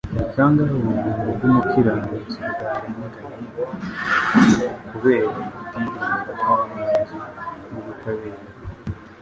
Ni kangahe ubugingo bw'umukiranutsi bwarenganye kubera kutirinda kw'abanzi b'ubutabera!